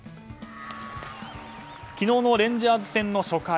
昨日のレンジャーズ戦の初回。